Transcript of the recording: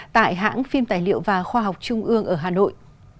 tại hãng phim tài liệu và khoa học trung ương ở hà nội